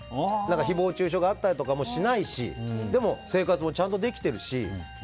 誹謗中傷があったりとかもしないしでも、生活もちゃんとできているし。